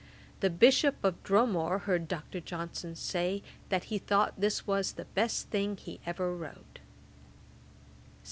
The Bishop of Dromore heard Dr. Johnson say, that he thought this was the best thing he ever wrote.